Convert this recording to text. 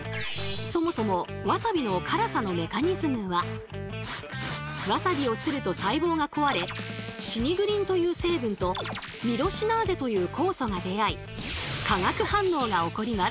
そもそもわさびをすると細胞が壊れ「シニグリン」という成分と「ミロシナーゼ」という酵素が出会い化学反応が起こります。